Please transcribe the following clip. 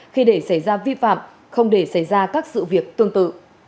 khi để xảy ra vi phạm không để xảy ra các sự việc tương tự